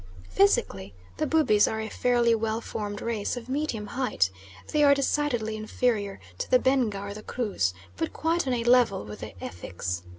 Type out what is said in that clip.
Physically the Bubis are a fairly well formed race of medium height; they are decidedly inferior to the Benga or the Krus, but quite on a level with the Effiks.